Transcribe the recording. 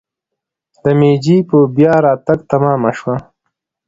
د میجي په بیا راتګ تمامه شوه.